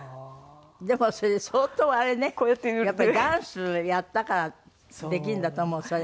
でもそれ相当あれねやっぱりダンスやったからできるんだと思うそれ。